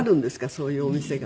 そういうお店が。